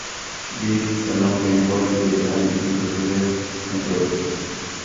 Deeds", "Along Came Polly" y "Dan in Real Life", entre otros.